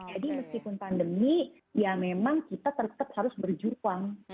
jadi meskipun pandemi ya memang kita tetap harus berjuang